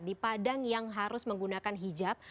di padang yang harus menggunakan hijab